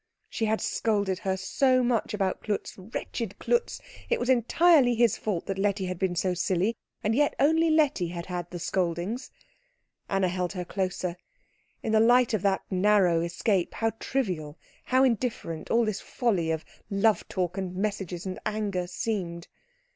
She had scolded her so much about Klutz; wretched Klutz, it was entirely his fault that Letty had been so silly, and yet only Letty had had the scoldings. Anna held her closer. In the light of that narrow escape how trivial, how indifferent, all this folly of love talk and messages and anger seemed.